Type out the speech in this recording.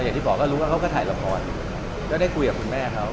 อย่างที่บอกก็รู้ว่าเขาก็ถ่ายละครก็ได้คุยกับคุณแม่เขา